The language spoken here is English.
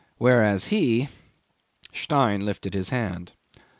Whereas he ..." Stein lifted his hand.